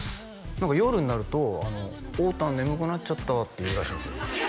何か夜になると「おーたん眠くなっちゃった」って言うらしいんですよ